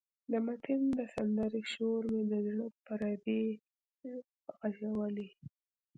د متین د سندرې شور مې د زړه پردې غږولې.